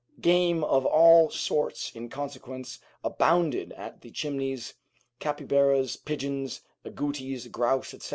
Game of all sorts in consequence abounded at the Chimneys, capybaras, pigeons, agouties, grouse, etc.